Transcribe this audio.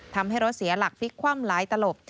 ทำให้รถเสียหลักพลิกคว่ำหลายตลบ